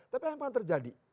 tapi apa yang terjadi